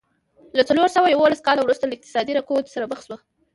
له څلور سوه یوولس کاله وروسته له اقتصادي رکود سره مخ شوه.